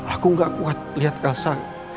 aku gak kuat liat elsa